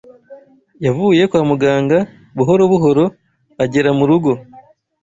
Yavuye kwa muganga buhorobuhoro agera mu rugo.